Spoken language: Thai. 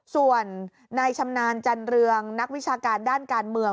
ส่วนนายชำนาญจันเรืองนักวิชาการด้านการเมือง